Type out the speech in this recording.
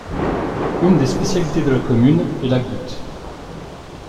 Une des spécialités de la commune est la goutte.